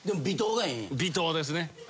微糖ですね。